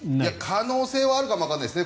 可能性はあるかもわからないですね。